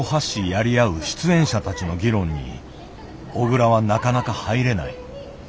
やり合う出演者たちの議論に小倉はなかなか入れない。